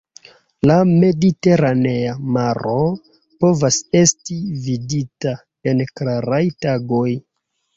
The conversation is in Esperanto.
La Mediteranea Maro povas esti vidita en klaraj tagoj.